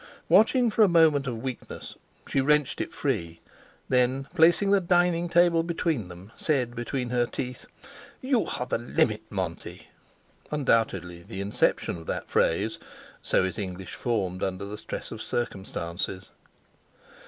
Watching for a moment of weakness, she wrenched it free; then placing the dining table between them, said between her teeth: "You are the limit, Monty." (Undoubtedly the inception of that phrase—so is English formed under the stress of circumstances.)